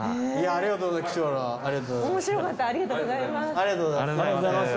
ありがとうございます。